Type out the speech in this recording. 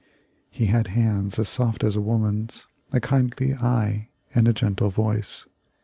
He had hands as soft as a woman's, a kindly eye, and a gentle voice.